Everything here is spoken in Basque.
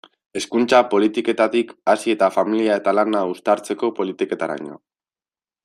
Hezkuntza politiketatik hasi eta familia eta lana uztartzeko politiketaraino.